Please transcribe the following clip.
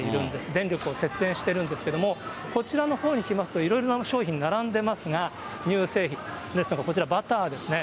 電力を節電してるんですけれども、こちらのほうに来ますと、いろいろな商品並んでますが、乳製品ですとか、こちら、バターですね。